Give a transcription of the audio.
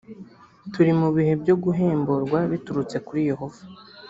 turi mu bihe byo guhemburwa biturutse kuri yehova